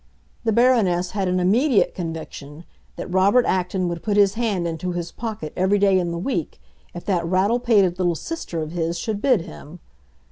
The Baroness had an immediate conviction that Robert Acton would put his hand into his pocket every day in the week if that rattle pated little sister of his should bid him.